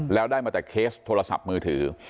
แล้วได้มาแต่เคสโทรศัพท์มือถือ